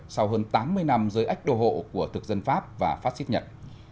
sau hơn tám mươi năm dưới ách đồ hộ của thực dân pháp và pháp xích nhật